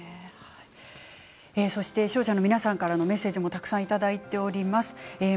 そして視聴者の皆さんからのメッセージもたくさんいただいております。